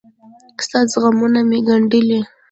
ستا زخمونه مې ګنډلي